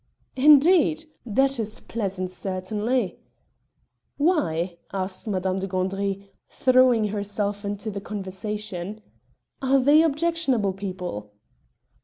"Indeed! that is pleasant certainly!" "Why?" asked Madame de Gandry, throwing herself into the conversation. "Are they objectionable people?"